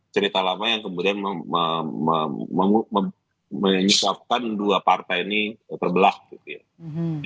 cerita lama yang kemudian menyisapkan dua partai ini berbelakang